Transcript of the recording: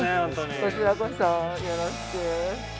◆こちらこそ、よろしく。